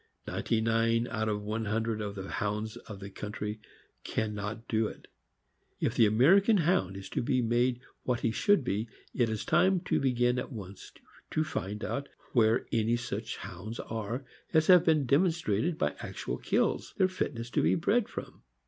Ninety nine out of one hundred of the Hounds of the country can not do it. And if the American Hound is to be made what he should be, it is time to begin at once to find out where any such Hounds are as have demonstrated, by actual kills, their fitness to be bred from.